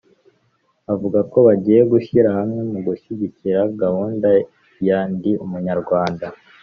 Avuga ko bagiye gushyira hamwe mu gushyigikira gahunda ya Ndi Umunyarwanda